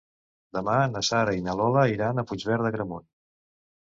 Demà na Sara i na Lola iran a Puigverd d'Agramunt.